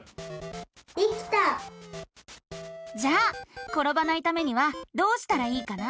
できた！じゃあころばないためにはどうしたらいいかな？